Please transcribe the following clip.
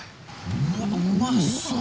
うわっうまそう。